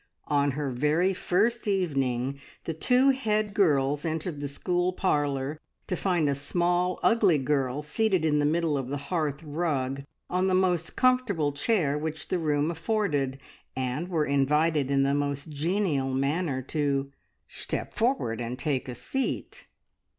On her very first evening the two head girls entered the school parlour to find a small, ugly girl seated in the middle of the hearth rug on the most comfortable chair which the room afforded, and were invited in the most genial manner to, "Shtep forward and take a seat!"